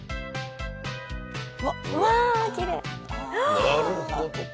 なるほど。